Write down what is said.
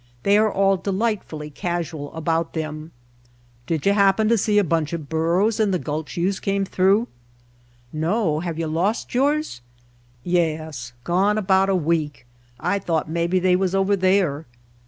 They are all de lightfully casual about them: ''Did you happen to see a bunch of burros in the gulch youse come through?" "No. Have you lost yours?" "Yes. Gone about a week. I thought maybe they was over there."